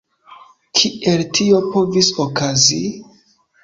Kiel tio povis okazi?